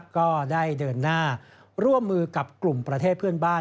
ก็ได้เดินหน้าร่วมมือกับกลุ่มประเทศเพื่อนบ้าน